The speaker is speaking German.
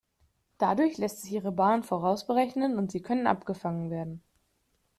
Dadurch lässt sich ihre Bahn vorausberechnen und sie können abgefangen werden.